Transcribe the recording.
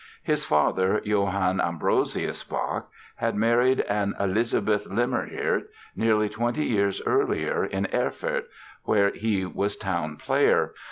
His father, Johann Ambrosius Bach, had married an Elisabeth Lämmerhirt nearly twenty years earlier in Erfurt, where he was town player.